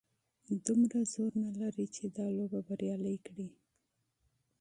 دومره زور نه لري چې دا لوبه بریالۍ کړي.